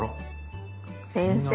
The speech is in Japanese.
先生